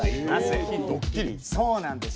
そうなんです。